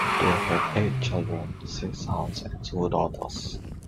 They had eight children, six sons and two daughters.